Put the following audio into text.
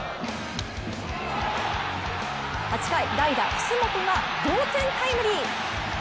８回、代打・楠本が同点タイムリー。